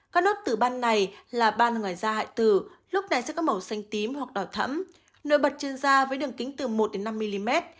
các nốt tử ban này là ban ngoài da hại tử lúc này sẽ có màu xanh tím hoặc đỏ thẫm nổi bật trên da với đường kính từ một năm mm